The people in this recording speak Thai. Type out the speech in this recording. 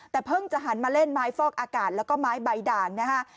แต่เพิ่งจะหันมาเล่นไม้ฟอกอากาศแล้วก็ไม้ใบด่างนะฮะ